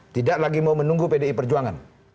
tidak lagi mau menunggu pdi perjuangan